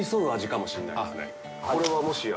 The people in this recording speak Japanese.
これは、もしや？